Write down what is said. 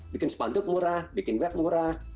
bikin sepanduk murah bikin web murah